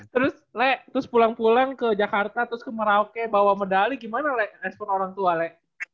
terus lek terus pulang pulang ke jakarta terus ke merauke bawa medali gimana lek respon orang tua lek